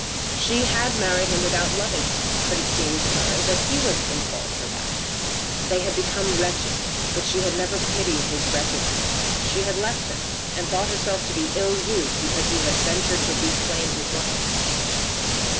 She had married him without loving him, but it seemed to her that he was in fault for that. They had become wretched, but she had never pitied his wretchedness. She had left him, and thought herself to be ill used because he had ventured to reclaim his wife.